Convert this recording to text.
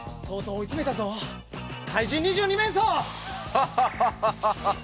ハハハハ！